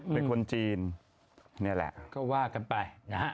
เป็นคนจีนนี่แหละก็ว่ากันไปนะฮะ